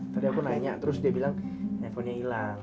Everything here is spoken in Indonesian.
tadi aku nanya terus dia bilang handphonenya hilang